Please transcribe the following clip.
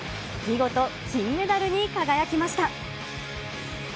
見事、金メダルに輝きました。